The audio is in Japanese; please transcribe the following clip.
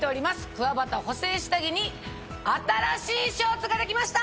くわばた補整下着に新しいショーツができました！